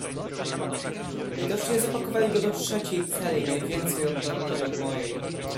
"Widocznie zapakowali go do trzeciej celi, najwięcej oddalonej od mojej."